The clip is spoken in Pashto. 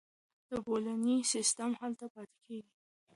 د بولونیا سیستم هلته پلي کیږي.